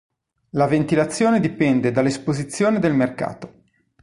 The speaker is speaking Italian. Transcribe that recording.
La ventilazione dipende dall’esposizione del mercato.